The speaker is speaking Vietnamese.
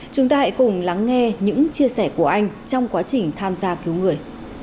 chúng ta hãy cùng lắng nghe những chia sẻ của anh trong quá trình tham gia cứu người